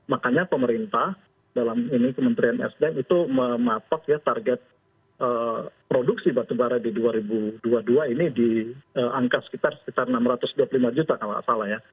makanya pemerintah dalam ini kementerian sdm itu mematok ya target produksi batubara di dua ribu dua puluh dua ini di angka sekitar enam ratus dua puluh lima juta kalau tidak salah ya